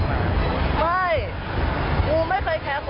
สวัสดีครับ